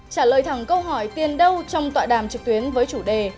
trả lời thẳng câu hỏi tiền đâu trong tọa đàm trực tuyến với chủ đề